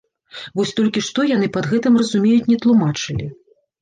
Вось толькі што яны пад гэтым разумеюць, не тлумачылі.